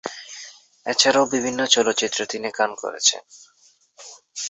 এছাড়াও বিভিন্ন চলচ্চিত্রে তিনি গান করেছেন।